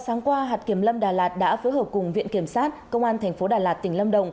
sáng qua hạt kiểm lâm đà lạt đã phối hợp cùng viện kiểm sát công an thành phố đà lạt tỉnh lâm đồng